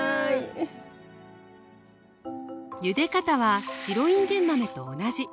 ゆで方は白いんげん豆と同じ。